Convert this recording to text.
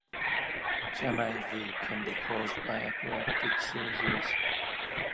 "Jamais vu" can be caused by epileptic seizures.